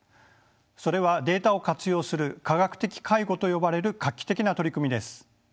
それはデータを活用する科学的介護と呼ばれる画期的な取り組みです。